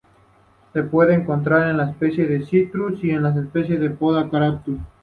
Se puede encontrar en especies de "Citrus", y en especies de "Podocarpus"